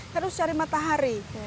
harus cari matahari